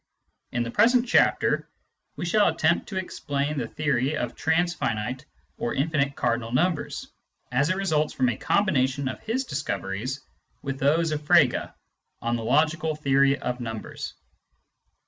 In the present chapter we shall attempt to explain the theory of transfinite or infinite cardinal numbers as it results from a combination of his discoveries with those of Frege on the logical theory of numbers.